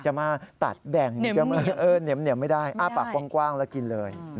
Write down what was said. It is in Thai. จะมาตัดแบ่งไม่ได้อ้าปากกว้างแล้วกินเลย